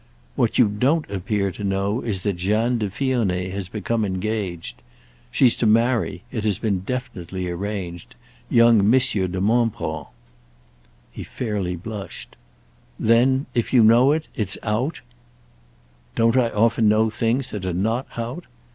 "What you don't appear to know is that Jeanne de Vionnet has become engaged. She's to marry—it has been definitely arranged—young Monsieur de Montbron." He fairly blushed. "Then—if you know it—it's 'out'?" "Don't I often know things that are not out?